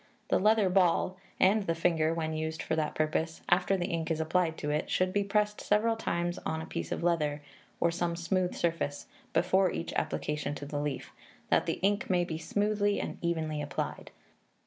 The leather ball (and the finger, when used for that purpose), after the ink is applied to it, should be pressed several times on a piece of leather, or some smooth surface, before each application to the leaf, that the ink may be smoothly and evenly applied.